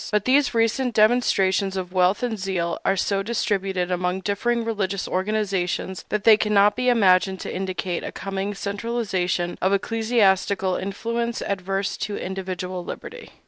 But these recent demonstrations of wealth and zeal are so distributed among differing religious organizations that they cannot be imagined to indicate a coming centralization of ecclesiastical influence adverse to individual liberty.